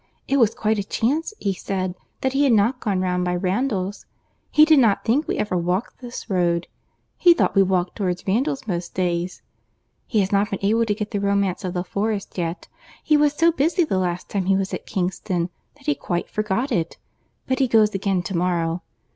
It was quite a chance, he said, that he had not gone round by Randalls. He did not think we ever walked this road. He thought we walked towards Randalls most days. He has not been able to get the Romance of the Forest yet. He was so busy the last time he was at Kingston that he quite forgot it, but he goes again to morrow.